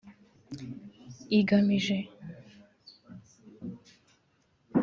igamije